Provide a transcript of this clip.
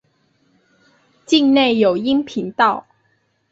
境内有阴平道。